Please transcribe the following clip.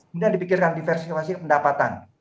kemudian dipikirkan diversifikasi pendapatan